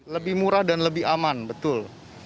lebih murah dan lebih aman betul